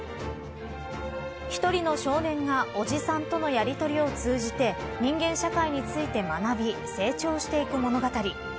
一人の少年がおじさんとのやりとりを通じて人間社会について学び成長していく物語。